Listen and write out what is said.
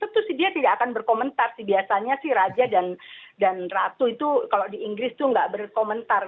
tentu sih dia tidak akan berkomentar sih biasanya si raja dan ratu itu kalau di inggris itu nggak berkomentar